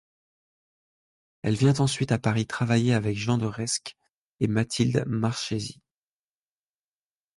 Elle vient ensuite à Paris travailler avec Jean de Reszke et Mathilde Marchesi.